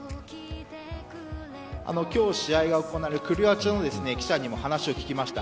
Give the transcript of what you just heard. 今日、試合が行われるクロアチアの記者にも話を聞きました。